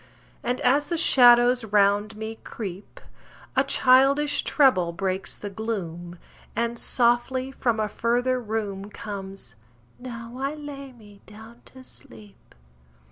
And as the shadows round me creep, A childish trebble breaks the gloom, And softly from a further room Comes: "Now I lay me down to sleep."